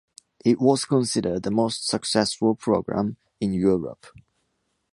It was considered the most successful program in Europe.